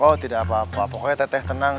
oh tidak apa apa pokoknya teteh tenang